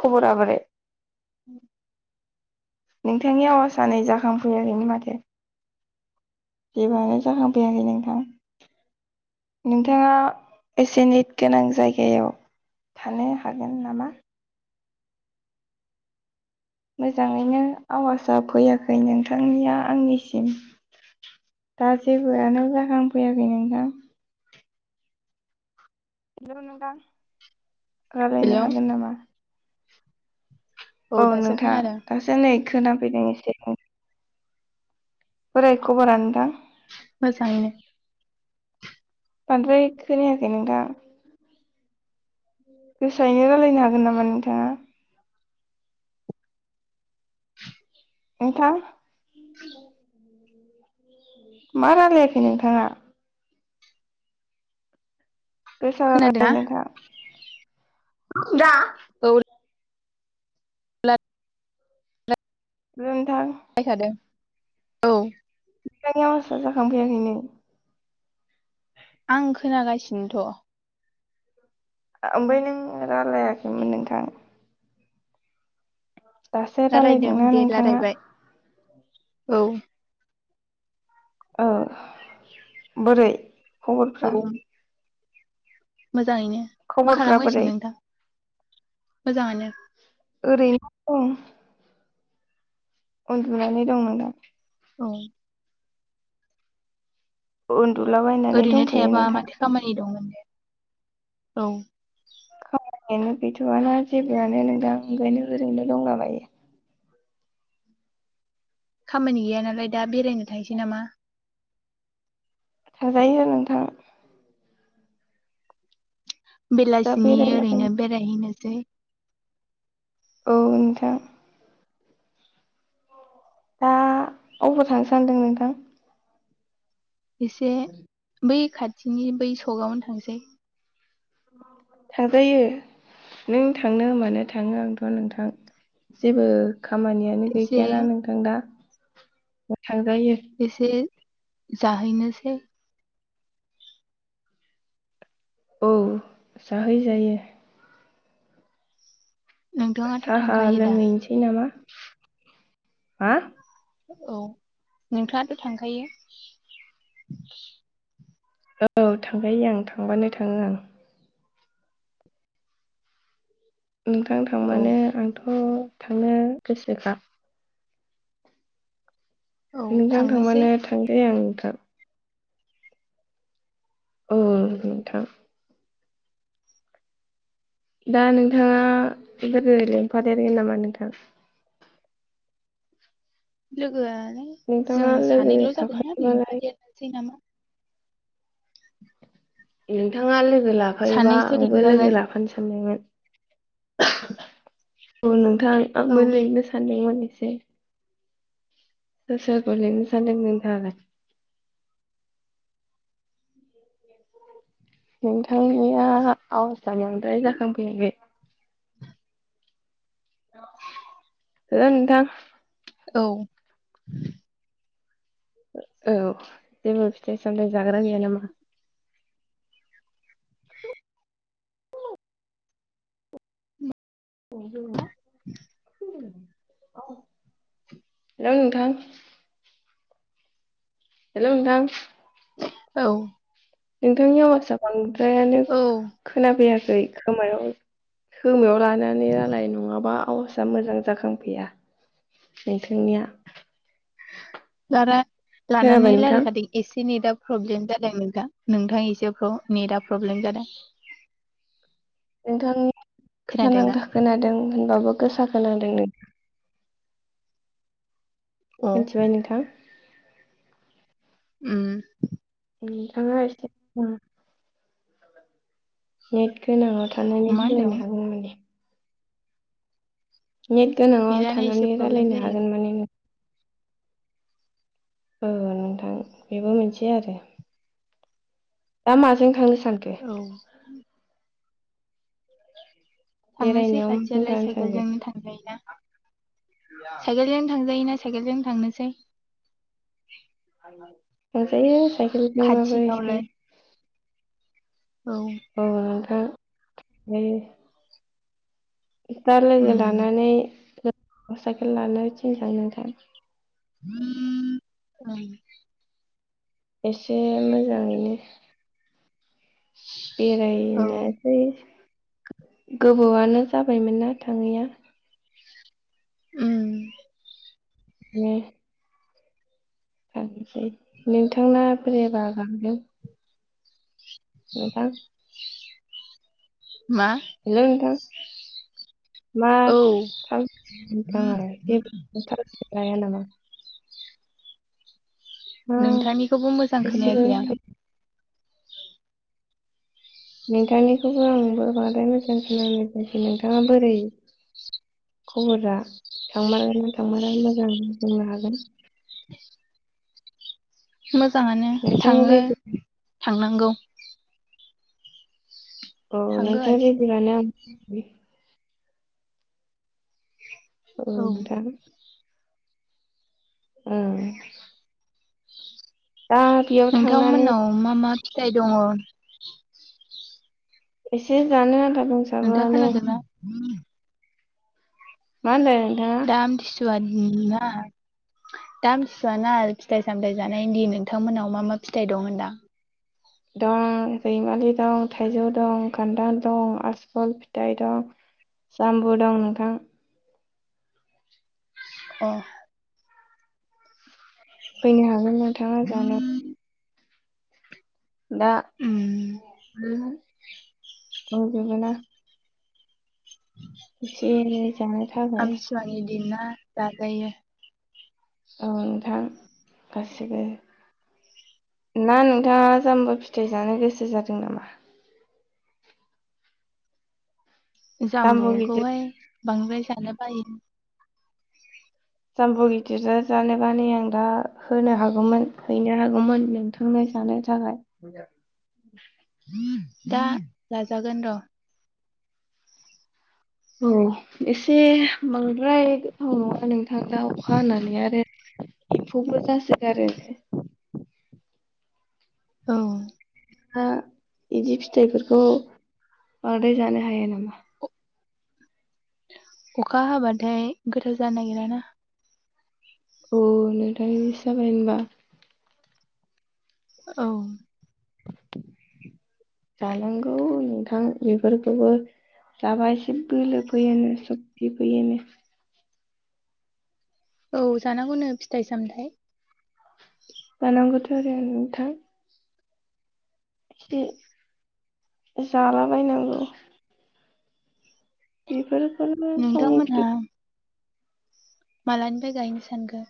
खब'रा बोरै? नोंथांनि आवाजआ नै जाखांफैयाखैनो माथो जेबोआनो जाखांफैयाखै नोंथां नोंथाङा एसेनिट गोनां जायगायाव थानो हागोन नामा? मोजाङैनो आवाजा फैयाखै नोंथांनिया आंनिसिम दा जेबोआनो जाखांफैयाखै नोंथां। हेलौ‌ नोंतां हेलौ रालायनो हागोन नामा? औ दासो नोंथां खोनादों दासो नै खोनाफैदों ए [unintelligible] बोरै खब'रा नोंथां? मोजाङैनो बांद्राय खोनायाखै नोंथां गोसायैनो रायलायनो हागोन नामा नोंथाङा? नोंथां मा रालायाखै नोंथाङा? गोसा खोनादोंना [unintelligible] नोंथां दा औ [unintelligible] हेल' नोंथां औ [unintelligible] आवासा जाखांफैयाखैनो आं खोनागासिनोथ'। ओमबाय नों रालायाखैमोन नोंथां। दासो रायलायदों रालायदोंना दे नोंथाङा। रायलायबाय औ ओ बोरै? औ खब'रफ्रा मोजाङैनो। मा खबरफ्रा बोरै खालामगासिनो नोंथां? मोजां आनो। ओरैनो दं। उन्दुनानै दं नोंदां औ उन्दुलाबायनानै ओरैनो दंथ'यो थायाबा नोंथां माथो खामानि दं दे औ खामानियानो गैथ'आना जेबोआनो नोंदां ओंखायनो ओरैनो दंलाबायो। खामानि गैया नालाय दा बेरायनो थांसै नामा? थांजायो नोंथां। दा बेलासिनि ओरैनो बेरायलाबायनो बेरायहैनो दे। औ नोंथां। दा अबाव थांनो सानदों नोंथां? एसे बै खाथिनि बै सकआवनो थांसै। थांजायो नों थांनो मानो थाङो आंथ' नोंथां जेबो खामानियानो एसे गैखायाना नोंथां दा? [unintelligible] एसे जाहैनोसै। औ जाहै जायो। नोंथाङाथ' साहा थांखायो दा लोंहैनोसै नामा? हा? औ नोंथांआथ' थांखायो? औ थांखायो आं थांबानो थाङो आं। नोंथां औ थांबानो आंथ' थांनो गोसोखा। औ नोंथां थांनोसै थांबानो थांसै आं। [unintelligible] औ नोंथां। दा नोंथाङा [unintelligible] लिंफादेरगोन नामा नोंथां? लोगोआ जों नोंथाङा लोगो सानैल' जागोनना लाफायोबालाय लिफादेरनोसै नामा? नोंथाङा लोगो लोगो लाफायोबा सानैसो आंबो लिंजागोन लोगो लाफानो सानदोंमोन। [inaudible] औ नों थां औ आंबो लिंनो सानदों माने। [unintelligible] सोर सोरखौ लिंनो सानदों नोंथाङालाय? नोंथांनिया आवाजा बांद्राय जाखांफैयाखै। हेलौ नोंथां औ औ जेबो फिथाइ सामथायाइ जाग्रा गैया नामा? [unintelligible] हेलौ नोंथां। हेलौ नोंथां। औ। नोंथांनि ह्वात्स‌आप [unintelligible] औ [unintelligible] खोनाफैया खै खोमायाव खोमायाव लाना नै नालाय नङाबा आवाजआ मोजां जाखांफैया नोंंथांनिया। बारा लानानै नोंथां रायलाखादो एसे नेदा प्रब्लेम जादों नोंथां नोंथां इसेखौ नेटा प्रब्लेम जादों। नोंथां खोनादोंना नानांथा खोनादों। होनबाबो गोसा खोनांदों नो अ मिन्थिबाय नोंथां। उम। नोंथाङा एसे नेट गोनाङाव थानानै मा होनदों रायलायनो हागोन माने नेट गोनाङाव नेटआनो एसे थानानै प्रब्लेम रायलायनो जायो हागोन माने नों। ओ नोंथां बेबो मोनसे आरो दा माजों थांनो सानखो औ। थांनोसै बेरायनायाव माजों खाथियालाय थांनो सानखो साइकेलजोंनो थांजायो ना। साइकेलजों थांजायोना साइकेलजों थांनोसै। थांजायो साइकेलजोंबाबो एसे खाथियावलाय औ। हा ए। दा लोगो उम लानानै अ साइकेल लाना ओइथिं थांना था [unintelligible] एसे मोजाङैनो औ बेरायनोसै। गोबावआनो जाबायमोन ना थाङैया। उम। मे [unintelligible] नोंथांना बे बागान लै नोंथां मा हेलौ नोंथां मा औ फालतु नोंथाङालाय [unintelligible] गाया नामा? आ नोंथांनिखौबो मोजां एसेबो खोनायाखै आं नोंथांनिखौबो आंबो बांद्राय मोजोन खोनानाय जायाखै नोंथाङा बोरै खबरा थांमारगोन ना थांमारा मोजां बुंनो हागोन मोज जाङानो नोंथां थाङो रेडि थांनांगौ औ थांगोन नोंथाङा रेदिबानो [unintelligible] औ नोंथां ओ दा बेयाव थांनानै नोंथांमोननाव मा मा फिथाइ दङ' [inaudible] एसे जानो आन्था नोंथाङा दंसाबोआनो खोनादोंना? मा होनदों? नोंथाङा? दा आमथि सुवानि ना दा आमथिसुवाना फिथाइ सामथाय जानायनि दिन नोंथांमोनाव मा मा फिथाइ दं होनदां। दं रैमालि दं, थाइजौ द, खान्दाल दं, आसपल फिथाइ दं, जामबु दं नोंथां। अ फैनो हागोन नों [inaudible] दा उम [inaudible] औ बेबोना [unintelligible] जानो थाखाय दिनना जाजायो। औ नोंथां गासिबो ना नोंथाङा जाम्बु फिथाइ जानो गोसो जादों नामा? जाम्बु गिदिर जाम्बुखौहाय बांद्राय जानो बायो जामबु गिदिरजों जानोबा नै आं दा होनो हागौमोन हैनो हागौमोन नोंथांनो जानो थाखाय दा जाजागोन र' औ एसे बांद्राय गोथाव नङा नोंथां थां दा अखा हानानै आरो एम्फौबो जासो गारो औ ओ इदि फिथाइफोरखौ बांद्राय जानो हाया नामा? अखा हाबाथाय गोथाव जानो नागिरा ना। अ नोंथां जाबाय होनबा। औ जानांगौ नोंथां बेफोरखौबो जाबा एसे बोलो फैयोनो सकति फैयोनो। औ जानांगौनो फिथाइ सामथाइ [unintelligible] नोंथां एसे जालाबायनांगौ। बेफोर [unintelligible] सावनि नोंथांमोनहा फिथो मालानिफ्राय गायनो सानखो?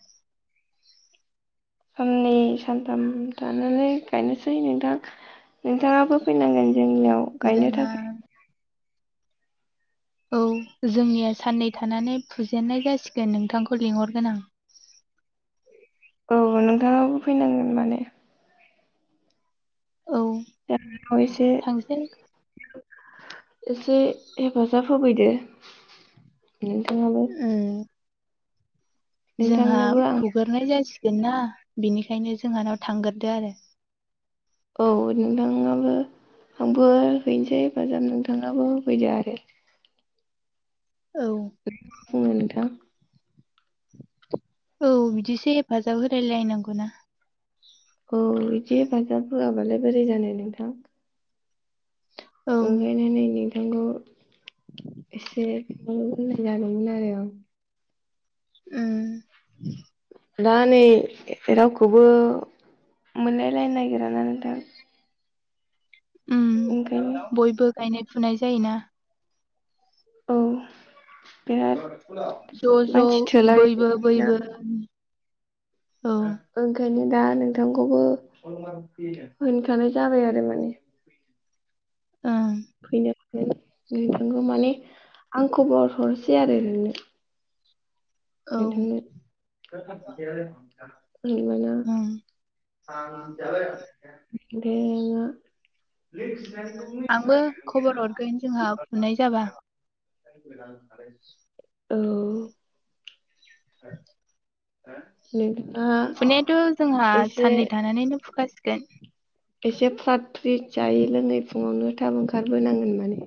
साननै सानथाम थानानै गायनोसै नोंथां नोंथाङाबो फैनांगोन। जोंनियाव गायनो जोंहा थाखाय औ जोंनिया साननै थानानै फुजेनन्नाय जासिगोन नोंथांखौ लिंहरगोन आं। औ नोंथाङाबो फैनांगोन माने औ [unintelligible] इसे थांसै एसे हेफाजाब होफैदो। नोंथाङा बो। उम जोंहा आं फुगोरनाय जासि गोनना बिनिखायनो जोंहानाव थांगोरदो आरो। औ नोंथाङाबो आंबो हैनोसै हेफाजाब नोंथाङाबो होफैदो आरो। औ [unintelligible] मा बुङो नोंथां। [unintelligible] रायलाय नांगौना। औ बिदि हेफाजाब होआबालाय बोरै जानो नोंथां। औ ओंखायनो नोंनि नांगौ एसे [unintelligible] मोजां जागौमोन आरो। ओम दा नै रावखौबो मोनलायलायनो नागिरा ना नोंथां। ओम ओंखायनो बयबो गायनाय फुनाय जायोना। औ बिराद ज' मानसि ज' थोलाय बैबो ना बैबो औ ओंखायनो दा नोंथांखौबो होनखानाय जाबाय आरो माने। ओं फैनो नोंथांखौ माने आं खबर हरसै आरो नोंनो औ नोंथांनो ओं [unintelligible] [inaudible] आंबो खबर हरगोन जोंहा फुनाय जाबा औ नोंथा फुनायाथ' जोंहा साननै थानानैनो फुखासि गोन एसे फ्राट फ्रिट जायै लोङै फुङावनो थाब ओंखारबोनांगोन माने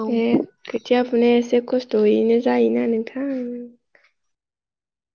औ थिया फुनाया एसे खस्थ'यैनो जायोना नोंथां